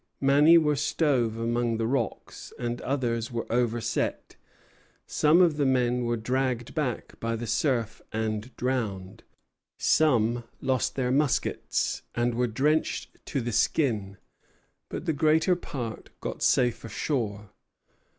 Many were stove among the rocks, and others were overset; some of the men were dragged back by the surf and drowned; some lost their muskets, and were drenched to the skin: but the greater part got safe ashore.